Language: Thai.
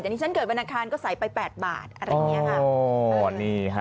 อย่างนี้ฉันเกิดบันดาคารก็ใส่ไป๘บาทอะไรอย่างนี้ค่ะ